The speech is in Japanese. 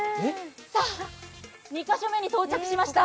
さあ、２か所目に到着しました。